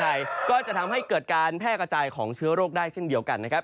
และมืงไทยก็จะทำให้เกิดการแพร่กระจายของเชื้อโรคได้เหลือกันนะครับ